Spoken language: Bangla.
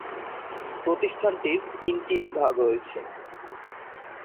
প্রতিষ্ঠানটির তিনটি বিভাগ রয়েছে।